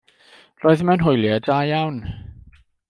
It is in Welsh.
Roedd mewn hwyliau da iawn.